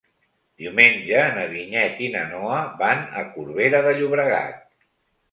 Diumenge na Vinyet i na Noa van a Corbera de Llobregat.